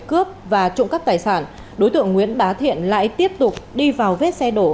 cướp và trộm cắp tài sản đối tượng nguyễn bá thiện lại tiếp tục đi vào vết xe đổ